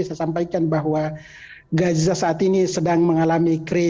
saya sampaikan bahwa gaza saat ini sedang mengalami krisis